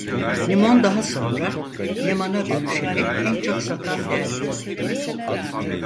Limon daha sonra Leman'a dönüşerek en çok satan dergi oldu.